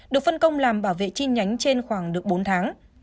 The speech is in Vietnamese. được phân công làm bảo vệ chi nhánh trên khoảng được bốn tháng